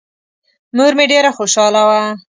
مور مې ډېره خوشحاله وه.